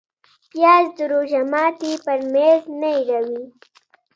پیاز د روژه ماتي پر میز نه هېروې